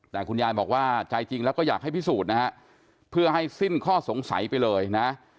แต่คุณยายบอกว่าใจจริงแล้วก็อยากให้พิสูจน์นะฮะเพื่อให้สิ้นข้อสงสัยไปเลยนะ